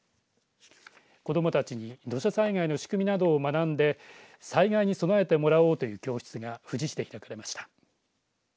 子どもたちに土砂災害の仕組みなどを学んで災害に備えてもらおうという教室が富士市で開かれました。